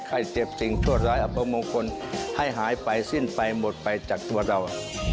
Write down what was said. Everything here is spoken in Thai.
ให้เจ็บสิ่งโทษร้ายอัปมงคลให้หายไปสิ้นไปหมดไปจากตัวเรา